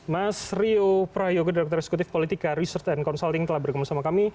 mas rio prayogo direktur eksekutif politika research and consulting telah bergabung sama kami